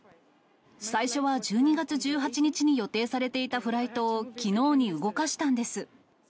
最初は１２月１８日に予定されていたフライトをきのうに動かしたんです。